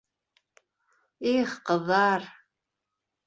Их, ҡыҙҙар!